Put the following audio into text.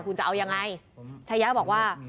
คุณจะเอายังไงชายะบอกว่า